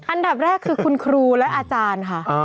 อันดับแรกคือคุณครูและอาจารย์ค่ะ